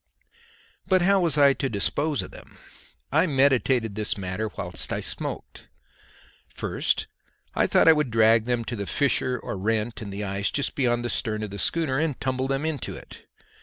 But how was I to dispose of them? I meditated this matter whilst I smoked. First I thought I would drag them to the fissure or rent in the ice just beyond the stern of the schooner and tumble them into it.